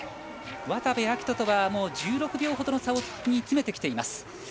渡部暁斗とは１６秒ほどに差を詰めてきています。